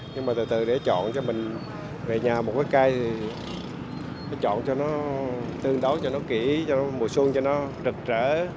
nhưng mà từ từ để chọn cho mình về nhà một cái cây thì nó chọn cho nó tương đối cho nó kỹ cho mùa xuân cho nó rực rỡ